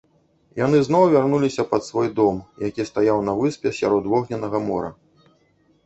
Яны зноў вярнуліся пад свой дом, які стаяў як на выспе сярод вогненнага мора.